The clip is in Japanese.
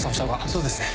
そうですね。